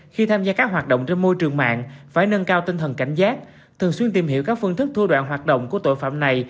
khi tham gia các hoạt động trên môi trường mạng phải nâng cao tinh thần cảnh giác thường xuyên tìm hiểu các phương thức thua đoạn hoạt động của tội phạm này